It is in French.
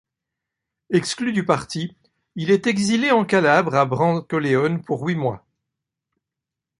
Exclu du parti, il est exilé en Calabre à Brancaleone pour huit mois.